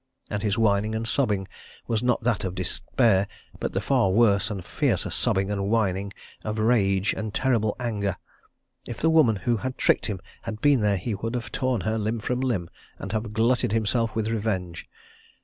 And his whining and sobbing was not that of despair, but the far worse and fiercer sobbing and whining of rage and terrible anger. If the woman who had tricked him had been there he would have torn her limb from limb, and have glutted himself with revenge.